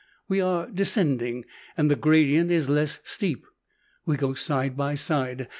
We are descending, and the gradient is less steep. We go side by side.